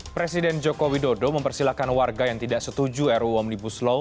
presiden joko widodo mempersilahkan warga yang tidak setuju ruu omnibus law